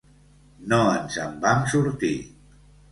No ens en vam sortir.